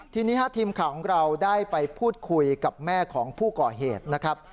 ทีนี้ทีมข่าวของเราได้ไปพูดคุยกับแม่ของผู้ก่อเหตุนะครับ